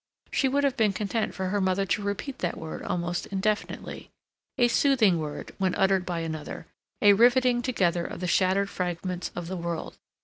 She would have been content for her mother to repeat that word almost indefinitely—a soothing word when uttered by another, a riveting together of the shattered fragments of the world.